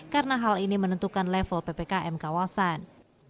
karena hal ini menentukan level ppkm kawasan